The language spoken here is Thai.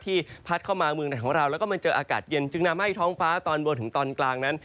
พัดเข้ามาเมืองในของเราแล้วก็มาเจออากาศเย็นจึงทำให้ท้องฟ้าตอนบนถึงตอนกลางนั้น